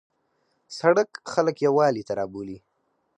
سړک خلک یووالي ته رابولي.